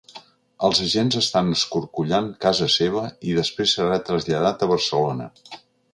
Els agents estan escorcollant casa seva i després serà traslladat a Barcelona.